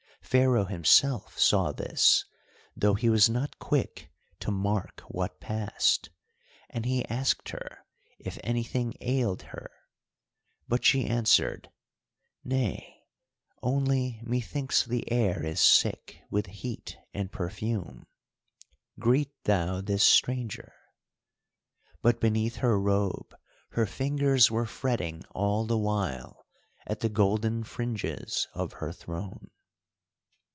Pharaoh himself saw this though he was not quick to mark what passed, and he asked her if anything ailed her, but she answered:— "Nay, only methinks the air is sick with heat and perfume. Greet thou this stranger." But beneath her robe her fingers were fretting all the while at the golden fringes of her throne.